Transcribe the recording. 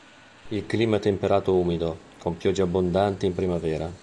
Il clima è temperato umido, con piogge abbondanti in primavera.